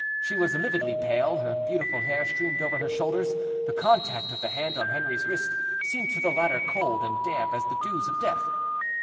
She was lividly pale; her beautiful hair streamed over her shoulders; the contact of the hand on Henri's wrist seemed to the latter cold and damp as the dews of death.